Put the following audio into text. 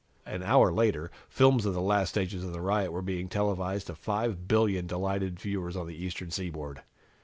An hour later, films of the last stages of the riot were being televised to 500,000,000 delighted viewers on the Eastern Seaboard.